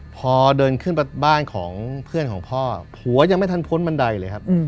พอเดินขึ้นไปบ้านของเพื่อนของพ่อผัวยังไม่ทันพ้นบันไดเลยครับ